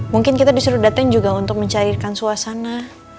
mungkin kita disuruh dateng juga untuk mencarikan suasana